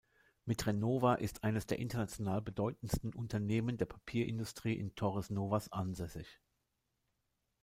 Mit Renova ist eines der international bedeutendsten Unternehmen der Papierindustrie in Torres Novas ansässig.